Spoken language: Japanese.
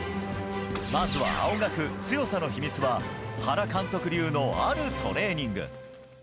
まずは青学、強さの秘密は原監督流のあるトレーニング。